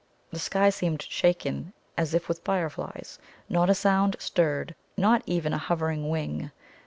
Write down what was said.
The sky seemed shaken as if with fire flies. Not a sound stirred now, not even a hovering wing.